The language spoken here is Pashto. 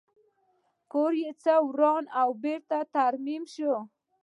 کور یې یو څه وران او بېرته ترمیم شوی و